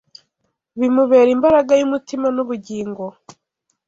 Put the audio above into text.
bumubera imbaraga y’umutima n’ubugingo.